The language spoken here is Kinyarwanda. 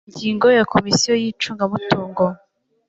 ingingo ya komisiyo y icungamutungo